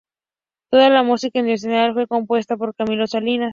Toda la música incidental fue compuesta por Camilo Salinas.